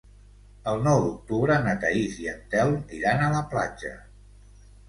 El nou d'octubre na Thaís i en Telm iran a la platja.